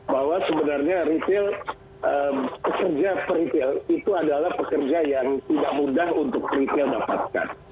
bahwa sebenarnya retail pekerja per retail itu adalah pekerja yang tidak mudah untuk retail dapatkan